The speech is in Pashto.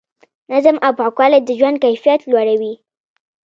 نظم او پاکوالی د ژوند کیفیت لوړوي.